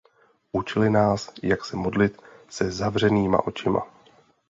Učili nás, jak se modlit se zavřenýma očima.